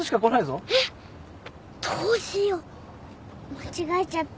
間違えちゃった。